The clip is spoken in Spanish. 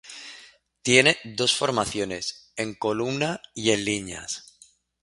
Tiene dos formaciones: en columna y en líneas.